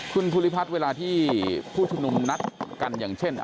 คุณภูริพัฒน์เวลาที่ผู้ชุมนุมนัดกันอย่างเช่น